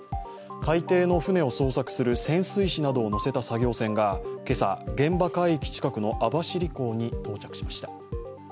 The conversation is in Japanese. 海底の船を捜索する潜水士などを乗せた船が今朝、現場海域近くの網走港に到着しました。